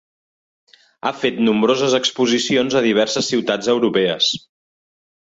Ha fet nombroses exposicions a diverses ciutats europees.